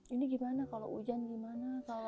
ini gimana kalau hujan gimana